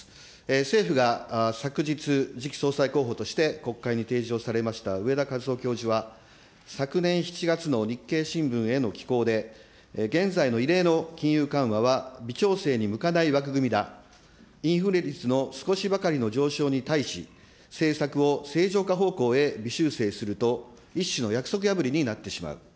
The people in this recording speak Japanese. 政府が昨日、次期総裁候補として国会に提示をされました植田和男教授は、昨年７月の日経新聞への寄稿で、現在の異例の金融緩和は微調整に向かない枠組みだ、インフレ率の少しばかりの上昇に対し、政策を正常化方向へ微修正すると、一種の約束破りになってしまう。